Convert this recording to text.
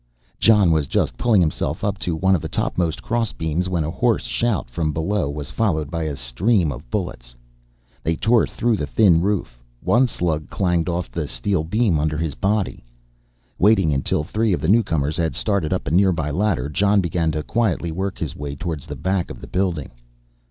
Jon was just pulling himself up to one of the topmost cross beams when a hoarse shout from below was followed by a stream of bullets. They tore through the thin roof, one slug clanged off the steel beam under his body. Waiting until three of the newcomers had started up a nearby ladder, Jon began to quietly work his way towards the back of the building.